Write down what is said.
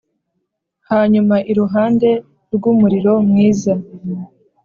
hanyuma iruhande rw'umuriro mwiza